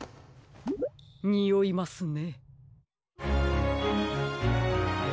においますね。